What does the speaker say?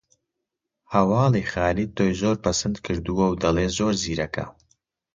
هەواڵی خالید تۆی زۆر پەسند کردووە و دەڵێ زۆر زیرەکە